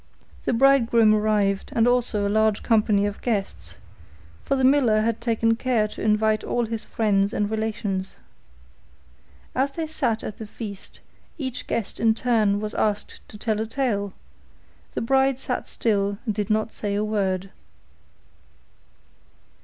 The bridegroom arrived and also a large company of guests, for the miller had taken care to invite all his friends and relations. As they sat at the feast, each guest in turn was asked to tell a tale; the bride sat still and did not say a word.